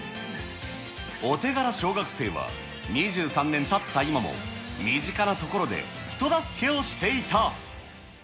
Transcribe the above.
お手柄小学生は、２３年たった今も身近なところで人助けをしていた。